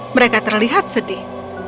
mereka terlihat sedih